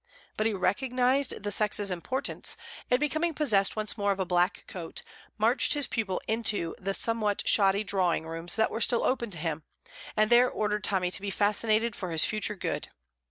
But he recognized the sex's importance, and becoming possessed once more of a black coat, marched his pupil into the somewhat shoddy drawing rooms that were still open to him, and there ordered Tommy to be fascinated for his future good.